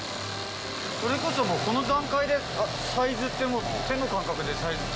それこそもうこの段階でサイズって手の感覚でサイズ。